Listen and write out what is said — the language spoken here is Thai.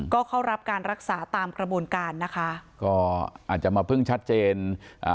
ก็เข้ารับการรักษาตามกระบวนการนะคะก็อาจจะมาเพิ่งชัดเจนอ่า